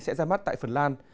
sẽ ra mắt tại phần lan